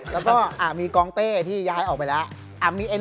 แล้วก็มีกองเต้ที่ย้ายออกไปแล้ว